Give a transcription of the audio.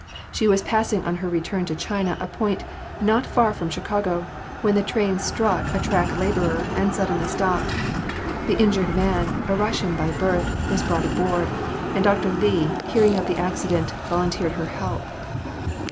She was passing on her return to China a point not far from Chicago, when the train struck a track laborer and suddenly stopped. The injured man, a Russian by birth, was brought aboard, and Dr. Li, hearing of the accident, volunteered her help.